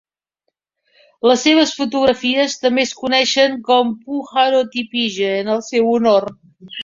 Les seves fotografies també es coneixen com puharotipije en el seu honor.